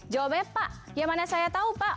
jawabnya pak ya mana saya tahu pak